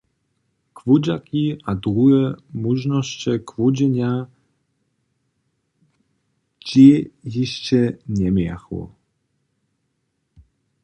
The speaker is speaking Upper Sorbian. Chłódźaki a druhe móžnosće chłódźenja dźě hišće njemějachu.